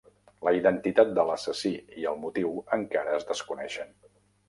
La identitat de l'assassí i el motiu encara es desconeixen.